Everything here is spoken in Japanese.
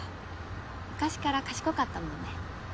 昔から賢かったもんね。